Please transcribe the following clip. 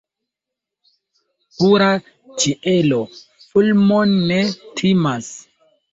Pura ĉielo fulmon ne timas.